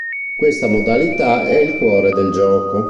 Questa modalità è il cuore del gioco.